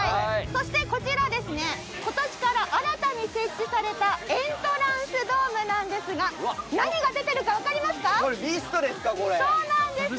そして、こちら今年から新たに設置されたエントランスドームなんですが何が出てるかわかりますか？